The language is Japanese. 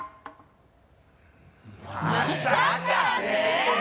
まさかね！